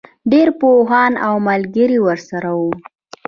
ډېری پوهان او ملګري ورسره وو.